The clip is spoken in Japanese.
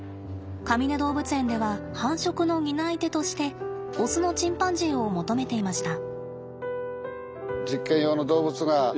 かみね動物園では繁殖の担い手としてオスのチンパンジーを求めていました。